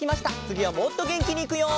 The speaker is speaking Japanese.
つぎはもっとげんきにいくよ！